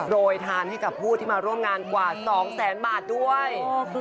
โดยทานให้กับผู้ที่มาร่วมงานกว่า๒แสนบาทด้วย